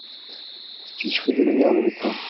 Si je faisais venir le médecin ?